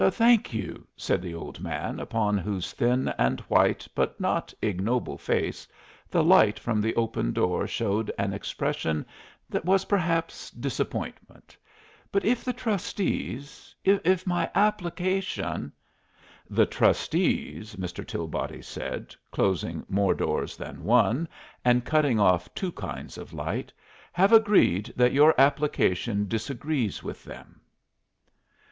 "Thank you," said the old man, upon whose thin and white but not ignoble face the light from the open door showed an expression that was perhaps disappointment; "but if the trustees if my application " "The trustees," Mr. Tilbody said, closing more doors than one, and cutting off two kinds of light, "have agreed that your application disagrees with them."